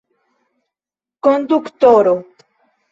Konduktoro!